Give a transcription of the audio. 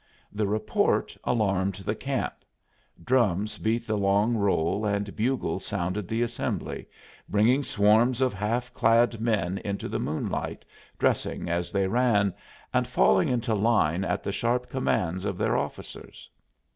The report alarmed the camp; drums beat the long roll and bugles sounded the assembly, bringing swarms of half clad men into the moonlight, dressing as they ran, and falling into line at the sharp commands of their officers.